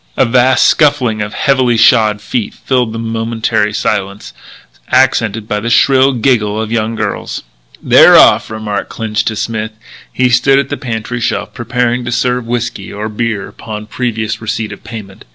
A vast scuffling of heavily shod feet filled the momentary silence, accented by the shrill giggle of young girls. "They're off," remarked Clinch to Smith, who stood at the pantry shelf prepared to serve whiskey or beer upon previous receipt of payment.